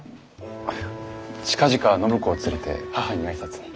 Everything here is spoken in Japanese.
近々暢子を連れて母に挨拶に。